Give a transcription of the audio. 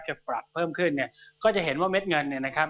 จะปรับเพิ่มขึ้นเนี่ยก็จะเห็นว่าเม็ดเงินเนี่ยนะครับ